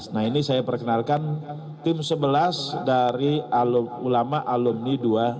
nah ini saya perkenalkan tim sebelas dari ulama alumni dua ratus dua belas